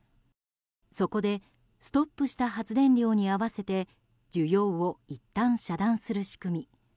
そこでストップした発電量に合わせて需要をいったん遮断する仕組み